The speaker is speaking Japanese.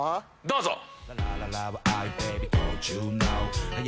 どうぞ！